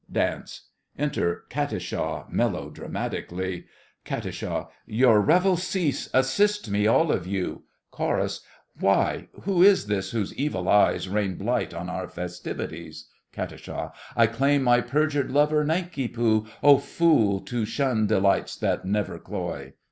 (Dance.) Enter Katisha melodramatically KAT. Your revels cease! Assist me, all of you! CHORUS. Why, who is this whose evil eyes Rain blight on our festivities? KAT. I claim my perjured lover, Nanki Poo! Oh, fool! to shun delights that never cloy!